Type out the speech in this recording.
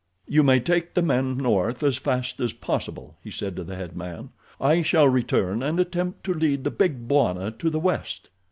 "You may take the men north as fast as possible," he said to the head man. "I shall return and attempt to lead the Big Bwana to the west."